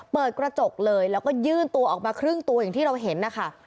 เปิดกระจกเลยแล้วก็ยื่นตัวออกมาครึ่งตัวอย่างที่เราเห็นนะคะ